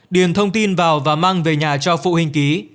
điền thông tin vào và mang về nhà cho phụ huynh ký